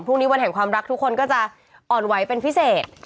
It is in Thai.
วันแห่งความรักทุกคนก็จะอ่อนไหวเป็นพิเศษ